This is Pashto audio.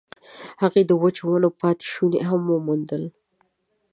هغې د وچو ونو پاتې شوني هم وموندل.